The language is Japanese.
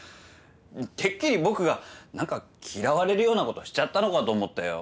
てっきり僕が何か嫌われるようなことしちゃったのかと思ったよ。